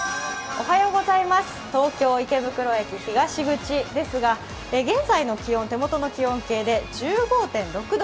東京・池袋駅東口ですが、現在の気温、手元の気温計で１５．６度。